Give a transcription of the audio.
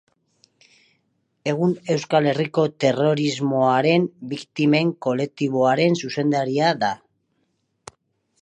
Egun Euskal Herriko Terrorismoaren Biktimen Kolektiboaren zuzendaria da.